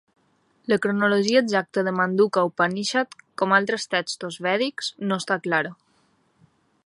La cronologia exacta de Manduka Upanishad, com altres textos vèdics, no està clara.